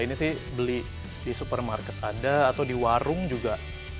ini sih beli di supermarket ada atau di warung juga